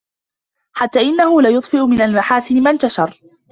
حَتَّى إنَّهُ لَيُطْفِئَ مِنْ الْمَحَاسِنِ مَا انْتَشَرَ